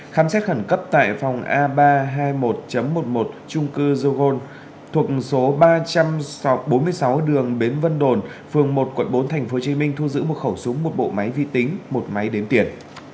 khám xét khẩn cấp tại phòng a ba trăm hai mươi một một mươi một trung cư joggone thuộc số ba trăm bốn mươi sáu đường bến vân đồn phường một quận bốn tp hcm thu giữ một khẩu súng một bộ máy vi tính một máy đếm tiền